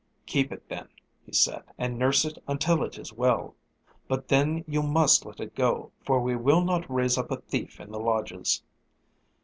"Keep it, then," he said, "and nurse it until it is well. But then you must let it go, for we will not raise up a thief in the lodges."